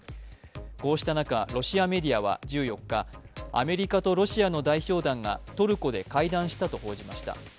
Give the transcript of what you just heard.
こうした中、ロシアメディアは１４日アメリカとロシアの代表団がトルコで会談したと報じました。